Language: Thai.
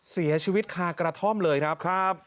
เสียชีวิตคากระท่อมเลยครับ